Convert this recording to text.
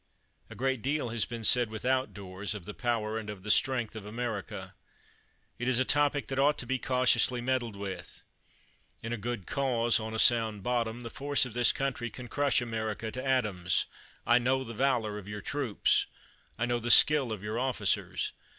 A great deal has been said without doors of the power, of the strength of America. It is a topic that ought to be cautiously meddled with. In a c^od cause, on a sound bottom, the force of this country can crush America to atoms. I know the valor of your troops. I know the skill of your officers.